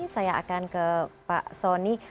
saya akan ke pak soni